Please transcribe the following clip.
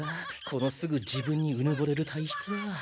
このすぐ自分にうぬぼれる体質は。